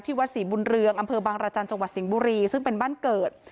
วัดศรีบุญเรืองอำเภอบางรจันทร์จังหวัดสิงห์บุรีซึ่งเป็นบ้านเกิด